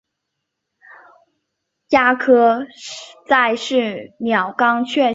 鸦科在是鸟纲雀形目中的一个科。